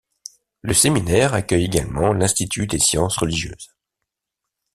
Le séminaire accueille également l'institut des sciences religieuses.